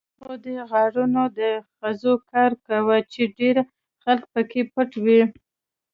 خو دې غارونو د خزو کار کاوه، چې ډېر خلک پکې پټ وو.